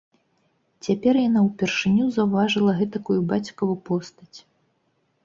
Цяпер яна ўпершыню заўважыла гэтакую бацькаву постаць.